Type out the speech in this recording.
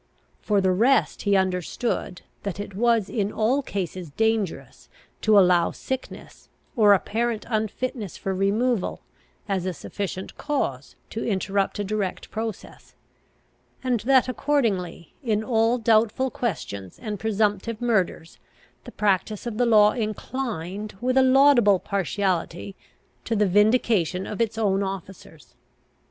For the rest he understood, that it was in all cases dangerous to allow sickness, or apparent unfitness for removal, as a sufficient cause to interrupt a direct process; and that, accordingly, in all doubtful questions and presumptive murders, the practice of the law inclined, with a laudable partiality, to the vindication of its own officers.